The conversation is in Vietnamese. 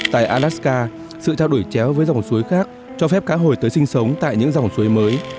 tại alaska sự trao đổi chéo với dòng suối khác cho phép cá hồi tới sinh sống tại những dòng suối mới